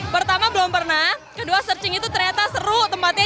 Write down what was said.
pertama belum pernah kedua searching itu ternyata seru tempatnya